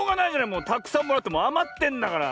もうたくさんもらってあまってんだから。